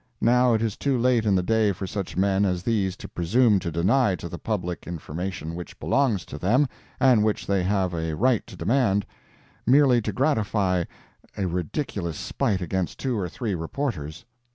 Now it is too late in the day for such men as these to presume to deny to the public, information which belongs to them, and which they have a right to demand, merely to gratify a ridiculous spite against two or three reporters.